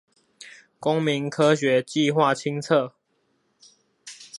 公民科學計畫清冊